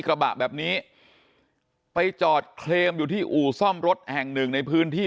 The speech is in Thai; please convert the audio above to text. กระบะแบบนี้ไปจอดเคลมอยู่ที่อู่ซ่อมรถแห่งหนึ่งในพื้นที่